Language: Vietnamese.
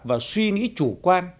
và suy nghĩ chủ quan